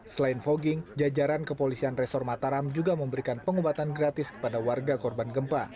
selain fogging jajaran kepolisian resor mataram juga memberikan pengobatan gratis kepada warga korban gempa